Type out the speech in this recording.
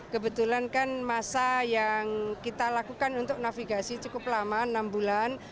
kebetulan kan masa yang kita lakukan untuk navigasi cukup lama enam bulan